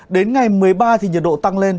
đến ngày một mươi ba thì nhiệt độ tăng lên